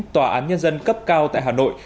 tòa án nhân dân cấp cao tại hà nội